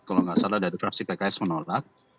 kalau nggak salah dari fraksi pks menolak